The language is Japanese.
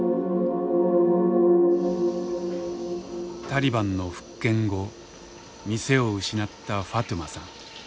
タリバンの復権後店を失ったファトゥマさん。